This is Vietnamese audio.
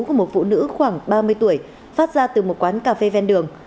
của một phụ nữ khoảng ba mươi tuổi phát ra từ một quán cà phê ven đường